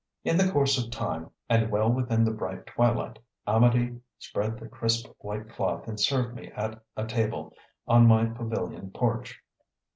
In the course of time, and well within the bright twilight, Amedee spread the crisp white cloth and served me at a table on my pavilion porch.